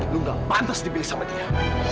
lo gak pantas dibeli sama dia